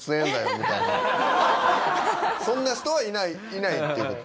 みたいなそんな人はいないっていう事？